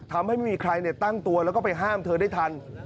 ทำให้ไม่มีใครตั้งตัวแล้วก็ไปห้ามเธอได้ทัน